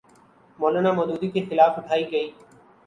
مو لانا مودودی کے خلاف اٹھائی گی۔